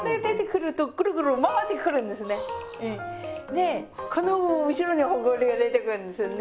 でこの後ろにほこりが出てくるんですよね。